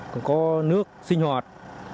có nước sinh hoạt